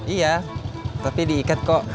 iya tapi diikat kok